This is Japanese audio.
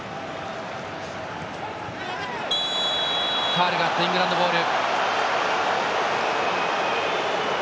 ファウルがあってイングランドボール。